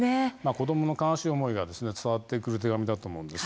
子どもの悲しい思いが伝わってくる手紙だと思います。